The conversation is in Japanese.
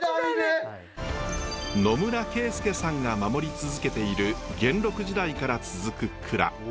野村圭佑さんが守り続けている元禄時代から続く蔵。